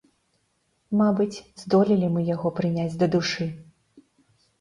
Мабыць, здолелі мы яго прыняць да душы.